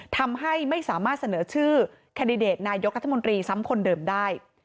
ทำให้ไม่สามารถเสนอชื่อแคนดิเดตนายกรัฐมนตรีซ้ำคนเดิมได้